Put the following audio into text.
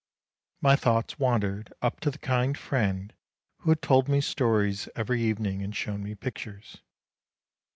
My thoughts wandered up to the kind friend who had told me stories every evening and shown me pictures.